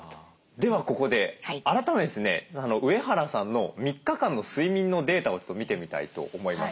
ではここで改めてですね上原さんの３日間の睡眠のデータをちょっと見てみたいと思います。